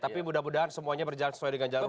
tapi semoga semuanya berjalan sesuai dengan jarum hukum